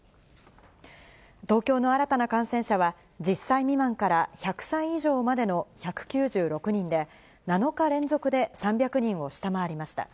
東京の新たな感染者は、１０歳未満から１００歳以上までの１９６人で、７日連続で３００人を下回りました。